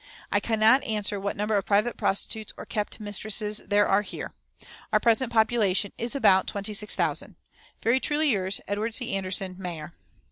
"I can not answer what number of private prostitutes or kept mistresses there are here. "Our present population is about twenty six thousand. "Very truly yours, "EDWARD C. ANDERSON, Mayor."